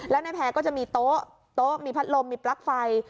แล้วในแพร่ก็จะมีโต๊ะโต๊ะมีพัดลมมีปลั๊กไฟ